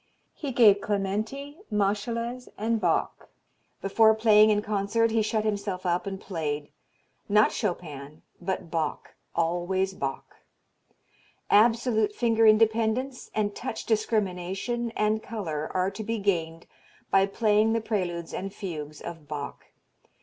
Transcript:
He gave Clementi, Moscheles and Bach. Before playing in concert he shut himself up and played, not Chopin but Bach, always Bach. Absolute finger independence and touch discrimination and color are to be gained by playing the preludes and fugues of Bach.